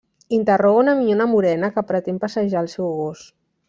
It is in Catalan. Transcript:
Interroga una minyona morena que pretén passejar el seu gos.